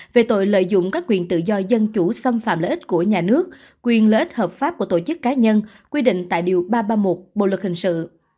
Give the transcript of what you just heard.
về tội lợi dụng các quyền tự do dân chủ xâm phạm lợi ích của nhà nước quyền lợi ích hợp pháp của tổ chức cá nhân quy định tại điều ba trăm ba mươi một bộ luật hình sự